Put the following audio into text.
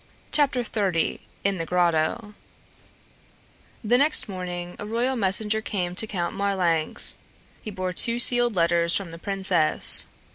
CHAPTER XXX IN THE GROTTO The next morning a royal messenger came to Count Marlanx. He bore two sealed letters from the princess.